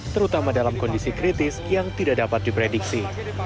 terutama dalam kondisi kritis yang tidak dapat diprediksi